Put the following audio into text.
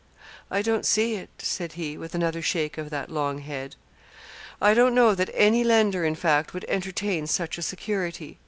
'I don't see it,' said he, with another shake of that long head. 'I don't know that any lender, in fact, would entertain such a security.